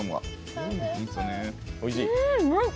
おいしっ！